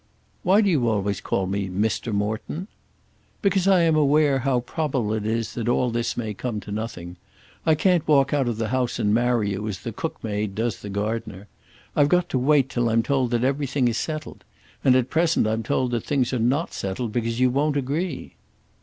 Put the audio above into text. "Why do you always call me Mr. Morton?" "Because I am aware how probable it is that all this may come to nothing. I can't walk out of the house and marry you as the cookmaid does the gardener. I've got to wait till I'm told that everything is settled; and at present I'm told that things are not settled because you won't agree."